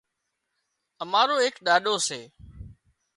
امارو ايڪ ڏاڏو سي